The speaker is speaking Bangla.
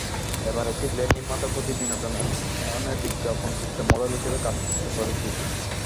এবার একটি ব্লেড নির্মাতা প্রতি বিনোদন ষ্ঠানের বিজ্ঞাপনচিত্রে মডেল হিসেবে কাজ করেছি।